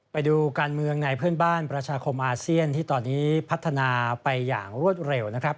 ไปดูการเมืองในเพื่อนบ้านประชาคมอาเซียนที่ตอนนี้พัฒนาไปอย่างรวดเร็วนะครับ